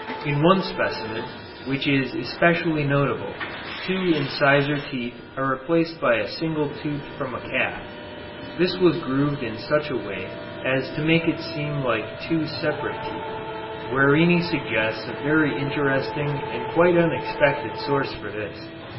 In one specimen, which is especially notable, two incisor teeth are replaced by a single tooth from a calf. This was grooved in such a way as to make it seem like two separate teeth. Guerini suggests a very interesting and quite unexpected source for this.